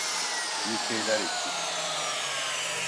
Bir şeyler eksik.